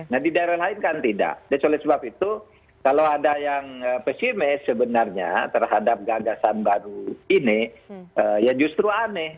nah di daerah lain kan tidak dan oleh sebab itu kalau ada yang pesimis sebenarnya terhadap gagasan baru ini ya justru aneh